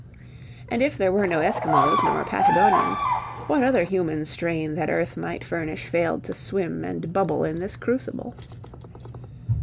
And if there were no Eskimos nor Patagonians, what other human strain that earth might furnish failed to swim and bubble in this crucible?